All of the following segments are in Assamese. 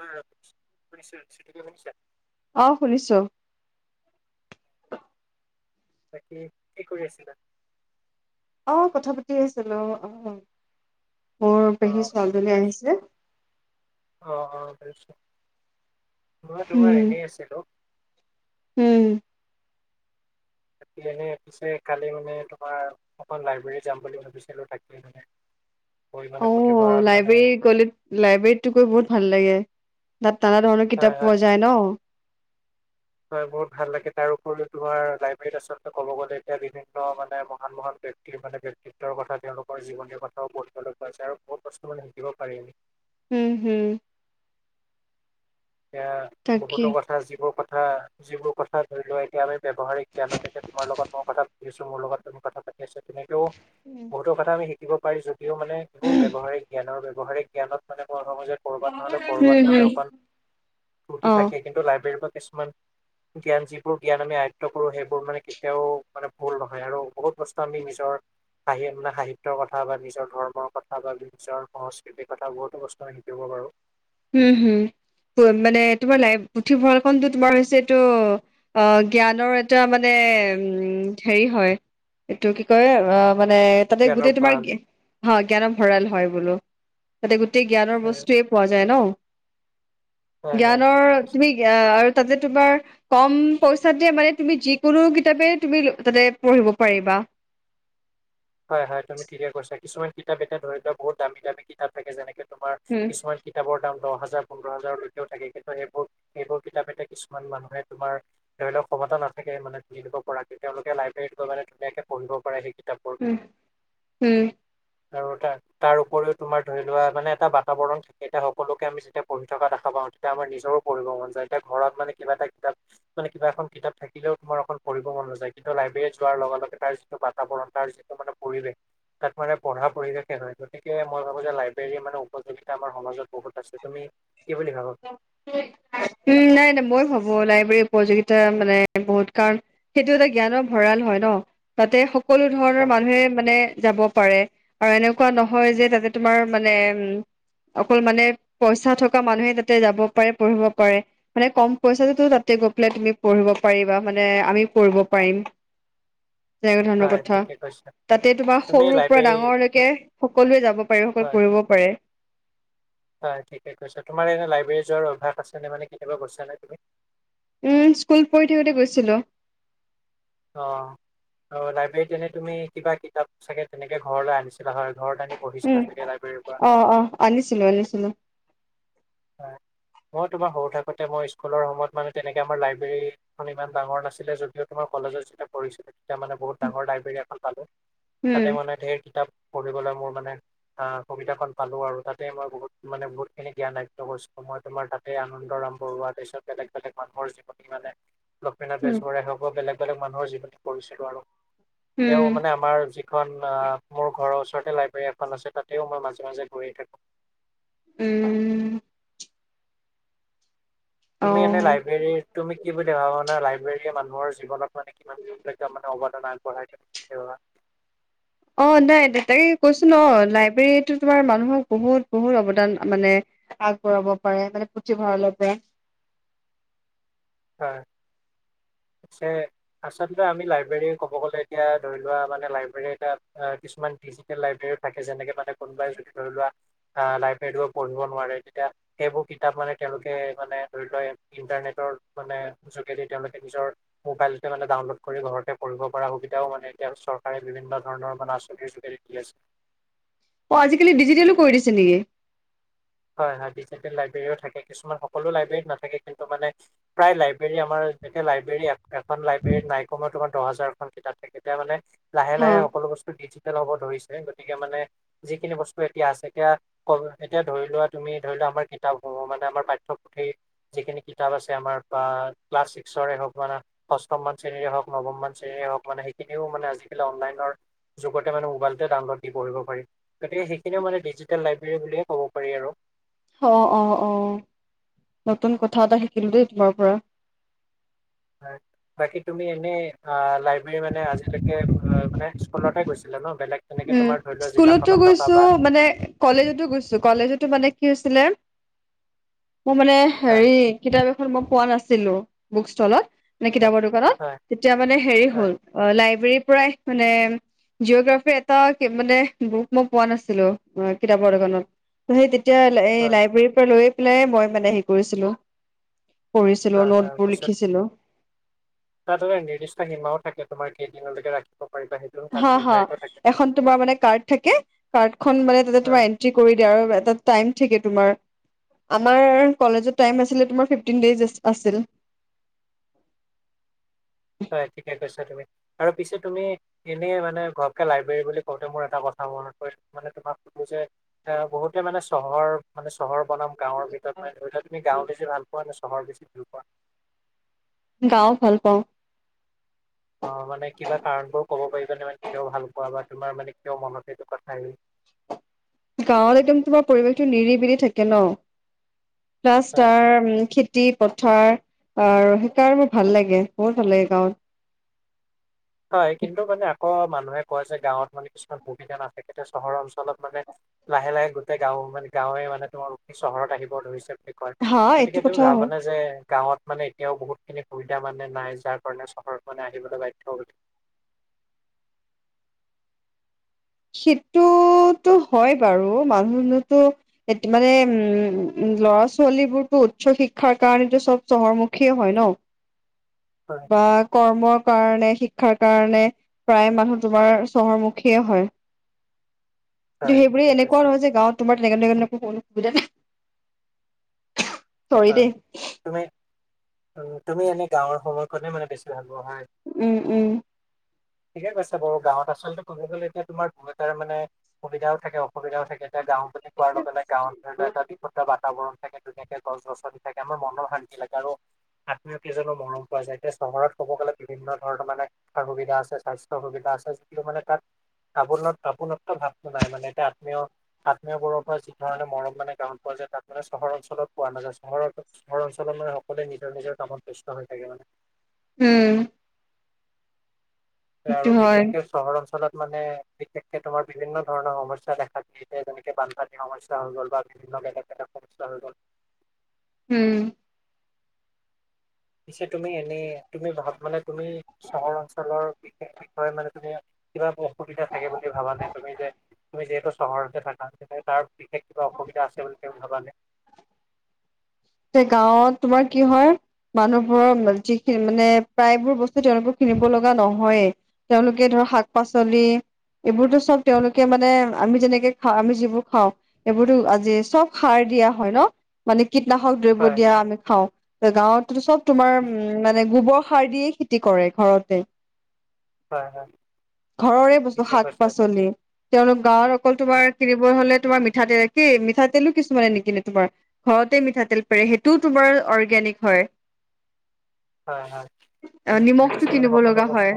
অ শুনিছো, পিছে তুমি শুনিছা? অ শুনিছো। বাকী কি কৰি আছিলা? অ কথা পাতি আছিলো অ, মোৰ অ পেহী ছোৱালীজনী আহিছিল। অ অ, মই তোমাৰ উম এনেই আছিলো। উম। তাকে এনে পিছে কালি মানে তোমাৰ অকখন লাইব্ৰেৰী যাম বুলি ভাবিছিলো তাকে - মে পৰি অ মণে পথে ভৰাল মানে- লাইব্ৰেৰী গ'লে লাইব্ৰেৰীতটো গৈ বহুত ভাল লাগে, তাত নানা ধৰণৰ হয় কিতাপ পোৱা হয় যায় ন? হয় মোৰ ভাল লাগে তাৰ উপৰিও তোমাৰ লাইব্ৰেৰীত আচলতে ক'ব গ'লে এতিয়া বিভিন্ন মানে মহান মহান- ব্যক্তিত্বৰ কথা তেওঁলোকৰ জীৱনীৰ কথাও পঢ়িবলৈ পাৰি তেওঁলোকা আছে বহুত বস্তু মানে শিকিব পাৰি। হম হম। এতিয়া তাকে বহুতো কথা যিবোৰ কথা যিবোৰ কথা ধৰি লোৱা এতিয়া আমি- ব্যৱহাৰিক জ্ঞানত তেতিয়া তোমাৰ লগত মই কথা পাতিছো মোৰ লগত তুমি কথা পাতি আছা তেনেকেও- কথা আমি শিকিব পাৰি যদিও মানে কোৰ ব্যৱহাৰ জ্ঞৰ ব্যৱহাৰে জ্ঞানত মানে ক সময়- কৰ'বাত নহলে হুম কৰ'বাত হুম মানে অকমান, ফূৰ্তি অ থাকে কিন্তু লাইব্ৰেৰীৰ পৰা কিছুমান- জ্ঞান যিবোৰ জ্ঞান আমি আয়ত্ব কৰো সেইবোৰ মানে কেতিয়াও মানে ভুল নহয় আৰু বহুত বস্তু আমি নিজৰ- মানে সাহিত্যৰ কথা বা নিজৰ ধৰ্মৰ কথা বা নিজৰ সংস্কৃতি - কথা বহুতো বস্তু আমি শিকিব পাৰো। উম হুম, মানে তোমাৰ লাই পুথিভঁৰাল খনটো তোমাৰ হৈছে এইটো- অ জ্ঞানৰ এটা মানে উ, হেৰি হয়- এইটো কি কয় অ মানে- তাতে জ্ঞানৰ গোটেই তোমাৰ, ভঁৰাল হয় জ্ঞানৰ ভঁৰাল হয় বোলো, তাতে গোটেই জ্ঞানৰ বস্তুৱে- জানো, হয় হয় ঠিকে জ্ঞানৰ কৈছা তুমি আৰু তাতে তোমাৰ- কম পইচাতে মানে তুমি যিকোনো কিতাপে তুমি তাতে পঢ়িব পাৰিবা। হয় হয় তুমি ঠিকে কৈছা কিছুমান কিতাপ এয়া ধৰি লোৱা বহুত দামী দামী কিতাপ থাকে যেনেকে তোমাৰ- হম। কিছুমান কিতাপৰ দাম দহ হাজাৰ পোন্ধৰ হাজাৰলৈকেও থাকে কিন্তু সেইবোৰ- এইবোৰ কিতাপ এতে কিছুমান মানুহে তোমাৰ- ধৰিওক কমতা নাথাকে মানে ধুন দিব পৰাকে তেওঁলোকে লাইব্ৰেৰত গৈ মানে ধুনীয়াকে পঢ়িব পাৰে। কিতাপবোৰ হম, হম। আৰু এটা - তাৰ উপৰিও তোমাৰ ধৰি লোৱা মানে এটা বাতাবৰণ থাকে এতি সকলোকে আমি যেতিয়া পঢ়ি থকা দেখা পাওঁ। এতিয়া আমাৰ নিজৰো পঢ়িব মন যায় এতিয়া ঘৰত মানে কিবা এটা কিতাপ- মানে কিবা এখন কিতাপ থাকিলেও তোমাৰকখন পঢ় মন নাযায় কিন্তু লাইব্ৰেৰী যোৱাৰ লগে লগে তাৰ যিটো বাতাবৰণ তাৰ যিটো মানে- পৰিৱেশ। তাত মানে পঢ়া পৰিৱেশে নহয় গতিকে মই ভাবো যে লাইব্ৰেৰী মানে উপযোগীতা আমাৰ সমাজত বহুত আছে তুমি- কি বুলি ভাব? উম নাই নাই মই ভাবো লাইব্ৰেৰী উপযোগিতা মানে বহুত কাৰণ- সেইটো এটা জ্ঞানৰ ভঁৰাল হয় ন, তাতে সকলো হয় ধৰণৰ মানুহে মানে যাব- পাৰে, আৰু এনেকুৱা নহয় যে তাতে তোমাৰ মানে উম- অকল মানে পইচা থকা মানুহে তাতে যাব পাৰে পঢ়িব পাৰে। মানে কম পইচাটো তাতে গৈ পেলাই তুমি পঢ়িব পাৰিবা মানে আমিও পঢ়িব পাৰিম। তেনে ধৰণৰ হয়, কথা। ঠিকে কৈছা তাতে তোমাৰ তুমি সৰুৰ পৰা লাইব্ৰেৰী ডাঙৰলৈকে সকলোৱে যাব পাৰে সকলোৱে হয় পঢ়িব পাৰে। হয় ঠিকে কৈছা, তোমাৰ এনে লাইব্ৰেৰী যোৱাৰ অভ্যাস আছেনে, মানে কেতিয়াবা গৈছানে তুমি? উম স্কুল পঢ়ি থাকোতে গৈছিলো। অ আৰু লাইব্ৰেৰীত এনেই তুমি কিবা কিতাপ চাগে তেনেকে ঘৰলৈ আনিছিলা হয় ঘৰত আনি উম পঢ়িছিলা চাগে লাইব্ৰেৰীৰ পৰা। অ অ আনিছিলো আনিছিলো। হয়, মই তোমাৰ সৰু থাকোঁতে মই স্কুলৰ সময়ত মানে তেনেকৈ আমাৰ লাইব্ৰেৰী মানে ইমান ডাঙৰ নাছিলে যদিও তোমাৰ কলেজত যেতিয়া পঢ়িছিলোঁ। এতিয়া মানে বহুত ডাঙৰ লাইব্ৰেৰী এখন পালে তাতে উম মানে ধেৰ কিতাপ পঢ়িবলৈ মোৰ মানে আহ সুবিধাখন পালো আৰু তাতেই মই বহুত মানে বহুত খিনি জ্ঞান আ [unintelligible] মই তোমাৰ তাতে আনন্দৰাম বৰুৱা তাৰ পিছত বেলেগ বেলেগ মানুহৰ জীৱনী মানে লক্ষ্মীনাথ উম বেজবৰুৱাই হক বেলেগ বেলেগ মানুহৰ জীৱনী পঢ়িছিলোঁ আৰু তেওঁ উম মানে আমাৰ যি এখন আহ মোৰ ঘৰৰ ওচৰতে লাইব্ৰেৰী এখন আছে তাতেও মই মাজে মাজে গৈএ থাকোঁ। উম। অ তুমি এনে লাইব্ৰেৰীৰ তুমি কি বুলি ভাবানা লাইব্ৰেৰীয়ে মানুহৰ জীৱনত মান কিমান মানে অৱদান আগবঢ়াই [unintelligible] অৱ নাই তাকে কৈছো ন অ লাইব্ৰেৰীতটো তোমাৰ মানুহক বহুত বহুত অৱদান মানে আগবঢ়াব পাৰে মানে পুথিভঁৰালৰ পৰা। হয়, আছে। আচলতে আমি লাইব্ৰেৰী ক'ব গলে এতিয়া ধৰি লোৱা মানে লাইব্ৰেৰী এটা কিছুমান ডিজিটেল লাইব্ৰেৰী থাকে যেনেকে মানে কোনোবাই যদি ধৰি লোৱা লাইব্ৰৰো পঢ়িব নোৱাৰে। তেতিয়া সেইবোৰ কিতাপ মানে তেওঁলোকে মানে ধৰি লোৱা ইণ্টাৰনেটৰ মানে যোগেদি তেওঁলোকে নিজৰ মোবাইলটে মানে ডাউনলোড কৰি ঘৰতে পঢ়িব পৰা সুবিধাও মানে এতিয়া চৰকাৰে বিভিন্ন ধৰণৰ মানে আচনিৰ [unintelligible] অ আজিকালি ডিজিটেলো কৰি দিছে নেকি? হয় হয় ডিজিটেল লাইব্ৰেৰীও থাকে কিছুমান সকলো লাইব্ৰেৰত নাথাকে কিন্তু মানে প্ৰায় লাইব্ৰেৰী আমাৰ যেতিয়া লাইব্ৰেৰী এখন লাইব্ৰেৰীত নাই কমেও তোমাৰ দহ হাজাৰখন কিতাপ থাকে তেতিয়া মানে লাহে হা লাহে সকলো বস্তু ডিজিটেল হ'ব ধৰিছে গতিকে মানে যিখিনি বস্তু এতিয়া আছে এতিয়া এতিয়া ধৰি লোৱা তুমি ধৰি লোৱা আমাৰ কিতাপসমূহ মানে আমাৰ পাঠ্যপুথি যিখিনি কিতাপ আছে আমাৰ বা ক্লাছ ছিক্সৰে হওক বা অষ্ঠমমান শ্ৰেণীৰে হওক নৱমমান শ্ৰেণীৰে হওক মানে সেইখিনিও মানে আজিকালি অনলাইনৰ যুগতে মানে মোৱাইলতে ডাউনলোড দি পঢ়িব পাৰি গতিক সেইখিনিও মানে ডিজিটেল লাইবেৰী বুলিয় ক'ব পাৰি আৰু অৱ অৱ অৱ নতুন কথা এটা শিকিলো দেই তোমাৰ পৰা। হয় বাকী তুমি এনেই লাইব্ৰেৰী মানে আজিলৈকে মানে স্কুলতে গৈছা। গৈছিলা ন বেলেগ তেনেকে উম তোমাৰ ধৰি লোৱা স্কুলতো জিলাখনত থকা গৈছো বা মানে কলেজতো গৈছো কলেজতো মানে কি হৈছিলে, মোৰ মানে হয়, হেৰি কিতাপ এখন মই পোৱা নাছিলো বুক ষ্টলত নে হয়। কিতাপৰ দোকানত। হয়, তেতিয়া মানে হেৰি হয়, হ'ল অ লাইব্ৰেৰীৰ পৰাই মানে জিঅগ্ৰাফিৰ [unintelligible] মানে বুক মই পোৱা নাছিলোঁ, অ' কিতাপৰ দোকানত। সেই তেতিয়া এই হয়, লাইব্ৰেৰীৰপৰা লৈয়ে পেলাই মই মানে হেৰি কৰিছিলো। পঢ়িছিলো হয়, হয় নোটবোৰ পিছত লিখিছিলো। তাত এটা নিৰ্দিষ্ট সীমাও থাকে, তোমাৰ কেইদিনলৈকে ৰাখিব পাৰিবা সেই হা, হা, এখন তোমাৰ মানে কাৰ্ড থাকে, কাৰ্ডখন মানে তাতে হয়, তোমাৰ এন ট্ৰি কৰি দিয়া আৰু এটা টাইম থাকে তোমাৰ। আমাৰ কলেজত টাইম আছিলে তোমাৰ ফিফটিন ডেইজ আছ-আছিল। হয় ঠিকেই কৈছা তুমি, আৰু পিছে তুমি এনেই মানে ঘপকে লাইব্ৰেৰী বুলি কওঁতে মোৰ এটা কথা মনত পৰিল মানে তোমাক সোধোঁ যে এ, বহুতে মানে চহৰৰ মানে চহৰ বনাম গাঁৱৰ ভিতৰত মানে ধৰি লোৱা, তুমি গাওঁ বেছি ভাল পোৱা নে চহৰ বেছি ভাল পোৱা? গাওঁ ভাল পাওঁ। অ' মানে কিবা কাৰণবোৰো ক'ব পাৰিবানে মানে কিয় ভাল পোৱা বা তোমাৰ মানে কিয় মনত সেইটো কথা আহিল? গাঁৱত একদম তোমাৰ পৰিৱেশটো নিৰিবিলি থাকে ন' প্লাছ হয় তাৰ খেত তি পথাৰ আ, সেইকাৰণে মোৰ ভাল লাগে, বহুত ভাল লাগে গাঁৱত। হয় কিন্তু মানে আকৌ মানুহে কয় যে গাঁৱত মানে কিছুমান সুবিধা নাথাকে, তেতিয়া চহৰৰ অঞ্চলত মানে লাহে লাহে গোটেই গাঁও মানে গাঁৱে মানে তোমাৰ চহৰত আহিব ধৰিছে বুলি কয়। হা এইটো গতিকে তুমি কথা হয় ভাবানে যে গাঁৱত মানে এতিয়াও বহুতখিনি সুবিধা মানে নাই যাৰ কাৰণে চহৰত মানে আহিবলৈ বাধ্য হয়? সেইটোতো হয় বাৰু মানুহ [unintelligible] মানে উম, ল'ৰা ছোৱালীবোৰতো উচ্চ শিক্ষাৰ কাৰণেতো চব চহৰমুখীয়ে হয় ন'। হয়। বা কৰ্মৰ কাৰণে, শিক্ষাৰ কাৰণে প্ৰায় মানুহ তোমাৰ চহৰমুখীয়ে হয়। হয় সেইবোৰে ঠিকে এনেকুৱাও কৈছা নহয় যে গাঁৱত তোমাৰ [unintelligible] চৰি দেই। তুমি উ, তুমি এনে গাঁৱৰ সময়খনে মানে বেছি ভাল পোৱা হয়। উম, উম। ঠিকে কৈছে বাৰু গাঁৱত আচলতে ক'ব গলে এতিয়া তোমাৰ বহুতৰ মানে সুবিধাও থাকে অসুবিধাও থাকে, এতিয়া গাঁও বুলি কোৱাৰ লগে লগে গাঁৱত ধৰি লোৱা এটা বিপদ দুটা বাতাবৰণ থাকে, ধুনীয়াকে গছ গছনি থাকে, আমাৰ মনৰ শান্তি লাগে আৰু আত্মীয় কেইজনৰ মৰম পোৱা যায়, এতিয়া চহৰত ক'ব গ'লে বিভিন্ন ধৰণৰ মানে শিক্ষাৰ সুবিধা আছে, স্বাস্থ্যৰ সুবিধা আছে যিটো মানে তাত আপোনত আপোনত্ব ভাৱটো নাই, মানে এতিয়া আত্মীয় আত্মীয়বোৰৰ পৰা যি ধৰণে মৰম মানে গাঁৱত পোৱা যায় তাত মানে চহৰ অঞ্চলত পোৱা নাযায়, চহৰত চহৰ অঞ্চলৰ মানে সকলোৱে নিজৰ নিজৰ কামত ব্যস্ত হৈ থাকে মানে। উম। সেইটো আৰু হয় বিশেষকে চহৰ অঞ্চলত মানে বিশেষকে তোমাৰ বিভিন্ন ধৰণৰ সমস্যা দেখা দিয়ে যেনেকে বানপানী সমস্যা হৈ গ'ল বা বিভিন্ন [unintelligible] উম। পিছে তুমি এনেই তুমি ভাব মানে তুমি চহৰ অঞ্চলৰ বিষয়ে মানে তুমি কিবা অসুবিধা থাকে বুলি ভাবানে তুমি যে তুমি যিহেতু চহৰতে থাকা তিকে তাৰ বিশেষ কিবা অসুবিধা আছে বুলি তেওঁ ভাবানে? সেই গাঁৱত তোমাৰ কি হয় মানুহবোৰৰ যিখিনি মানে প্ৰায়বোৰ বস্তু তেওঁলোকৰ কিনিব লগা নহয়েই তেওঁলোকে ধৰক শাক পাচলি এইবোৰতো চব তেওঁলোকে মানে আমি যেনেকে খাওঁ আমি যিবোৰ খাওঁ এইবোৰতো আজি চব সাৰ দিয়া হয় ন মানে কীট নাশক দ্ৰব্য হয় দিয়া আমি খাওঁ ত গাঁৱততো চব তোমাৰ উম মানে গোবৰ সাৰ দিয়ে খেতি কৰে ঘৰতে হয় হয় ঘৰৰে বস্তু ঠিকে শাক কৈছা পাচলি তেওঁলোক গাঁৱত অকল তোমাৰ কিনিবলে হলে তোমাৰ মিঠাতেল কি মিঠাতেলো কিছুমানে নিকিনে তোমাৰ ঘৰতে মিঠাতেল পেৰে সেইটোও তোমাৰ অৰ্গেনিক হয় হয় হয় অ আপুনি ঠিকে কৈছে নিমখটো মানে কিনিব সকলো লগা হয় বস্তু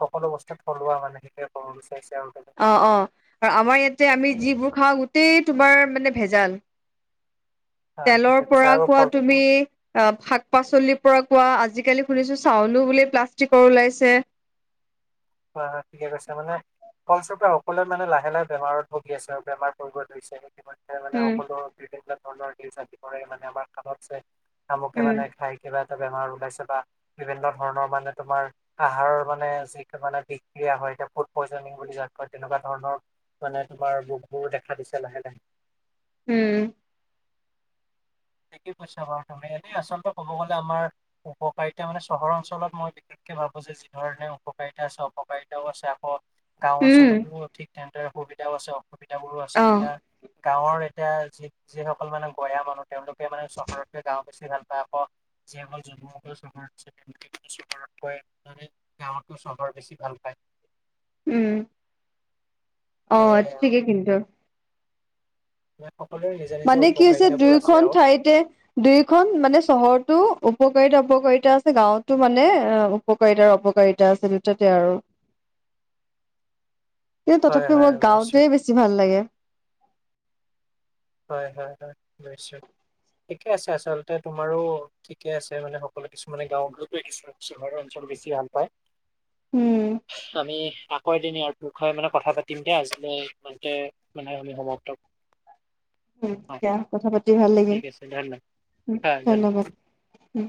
সকলো বস্তু থলুৱা মানে সেইটোৱে ক'ব বিচাৰিছে আৰু অ অ আৰু আমাৰ ইয়াতে আমি যিবোৰ খাওঁ গোটেই তোমাৰ মানে ভেজাল [unintelligible] তেলৰ ঠিকে কৈছে পৰা আৰু কোৱা ফল তুমি অ শাক পাচলিৰ পৰা কোৱা আজিকালি শুনিছো চাউলো বোলে প্লাষ্টিকৰ ওলাইছে হয় হয় ঠিকে কৈছা মানে ফলস্বৰূপে সকলোৱে মানে লাহে লাহে বেমাৰত ভুগি আছে বেমাৰত পৰিব ধৰিছে এনেকৈ মানে উম সকলো বিভিন্ন ধৰণৰ যদি কৰে মানে আমাৰ কামত যে কামকে উম মানে যাই কিবা এটা বেমাৰ ওলাইছে বা বিভিন্ন ধৰণৰ মানে তোমাৰ আহাৰৰ মানে যি মানে বিক্ৰিয়া হয় এতিয়া ফুড পইয়জনিং বুলি যাক কয় তেনেকুৱা ধৰণৰ মানে তোমাৰ ভোকবোৰ দেখা দিছে লাহে লাহে উম ঠিকেই কৈছা বাৰু তুমি এনে আচলতে ক'ব গলে আমাৰ উপকাৰিতা মানে চহৰ অঞ্চলত মই বিশেষকে ভাবো যে যি ধৰণে উপকাৰিতা আছে অপকাৰিতাও আছে আকৌ গাঁও অঞ্চলতো উম ঠিক তেনেদৰে সুবিধাও আছে অসুবিধাবোৰো আছে অ এতিয়া গাঁৱৰ এতিয়া যি যিসকল মানে গয়া মানুহ তেওঁলোকে মানে চহৰতকে গাওঁ বেছি ভাল পায় আক যিসকল জন্মৰেপৰা চহৰত আছে তেওঁলোকে চহৰত পৰে মানে গাওঁতকে চহৰ বেছি ভাল পায় উম অ এ ঠিকেই কিন্তু [unintelligible] মানে কি হৈছে উপকাৰিতাবোৰ আছে দুয়োখন আৰু ঠাইতে দুয়োখন মানে চহৰতো উপকাৰিতা অপকাৰিতা আছে গাঁৱতো মানে অ উপকাৰিতাৰ অপকাৰিতা আছে দুয়োটাতে আৰু [unintelligible] কিন্তু তথাপিও হয় মই বুজিছো গাওঁতে বেছি ভাল লাগে হয় হয় হয় বুজিছো ঠিকে আছে আচলতে তোমাৰো ঠিকে আছে মানে সকলো কিছুমানে গাঁওতকে চহৰৰ অঞ্চল বেছি ভাল পায় উম আমি আ [unintelligible] মানে কথা পাতিম দে আজিলে ইমানতে মানে আমি সমাপ্ত উম অ দিয়া কথা পাতি ভাল লাগিল ঠিক আছে ধন্যবাদ উম ধন্যবাদ উম